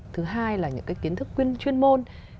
thứ hai là những cái kiến thức chuyên môn